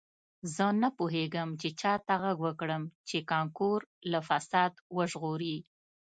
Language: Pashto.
زه نه پوهیږم چې چا ته غږ وکړم چې کانکور له فساد وژغوري